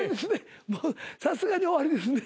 さすがに終わりですね？